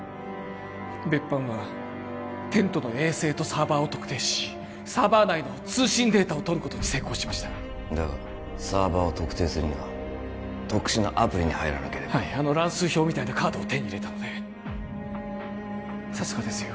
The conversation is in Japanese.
別班はテントの衛星とサーバーを特定しサーバー内の通信データを取ることに成功しましただがサーバーを特定するには特殊なアプリに入らなければはいあの乱数表みたいなカードを手に入れたのでさすがですよ